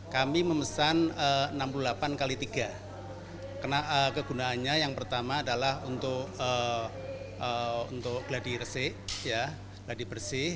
kami memesan enam puluh delapan kali tiga karena kegunaannya yang pertama adalah untuk gladi bersih